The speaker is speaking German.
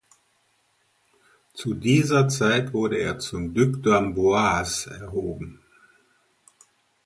Zu dieser Zeit wurde er zum "Duc d’Amboise" erhoben.